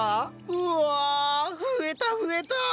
うわ増えた増えた！